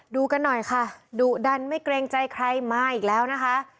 ดูกันหน่อยค่ะดุดันไม่เกรงใจใครมาอีกแล้วนะคะ